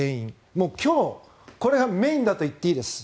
もう今日、これがメインだと言っていいです。